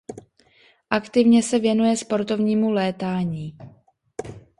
Aktivně se věnuje sportovnímu létání.